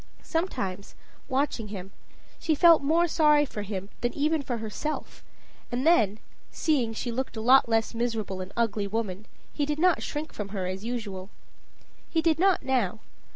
Sometimes, watching him, she felt more sorry for him than even for herself; and then, seeing she looked a less miserable and ugly woman, he did not shrink from her as usual. He did not now.